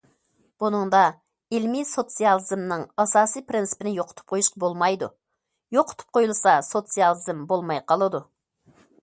بۇنىڭدا، ئىلمىي سوتسىيالىزمنىڭ ئاساسىي پىرىنسىپىنى يوقىتىپ قويۇشقا بولمايدۇ، يوقىتىپ قويۇلسا سوتسىيالىزم بولماي قالىدۇ.